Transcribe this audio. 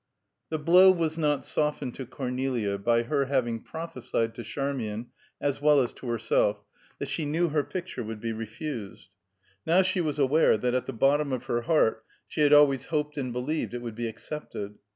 The blow was not softened to Cornelia by her having prophesied to Charmian as well as to herself, that she knew her picture would be refused. Now she was aware that at the bottom of her heart she had always hoped and believed it would be accepted.